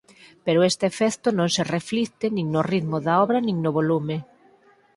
Pero este efecto non se reflicte nin no ritmo da obra nin no volume.